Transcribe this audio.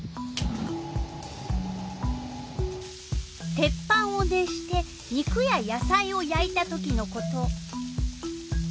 鉄板を熱して肉ややさいをやいたときのこと。